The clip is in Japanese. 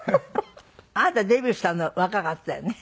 あなたデビューしたの若かったよね？